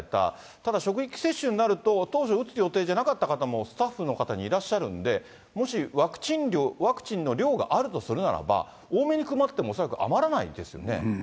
ただ、職域接種になると、当初打つ予定じゃなかった方もスタッフの方にいらっしゃるんで、もしワクチン量、ワクチンの量があるとするならば、多めに配っても恐らく余らないですよね。